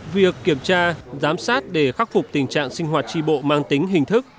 việc kiểm tra giám sát để khắc phục tình trạng sinh hoạt tri bộ mang tính hình thức